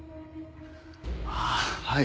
ああはい。